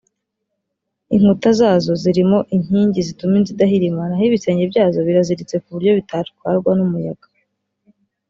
Inkuta zazo zirimo inkingi zituma inzu idahirima naho ibisenge byazo biraziritse kuburyo bitatwarwa n’umuyaga